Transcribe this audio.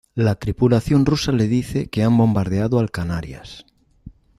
La tripulación rusa le dice que han bombardeado al "Canarias".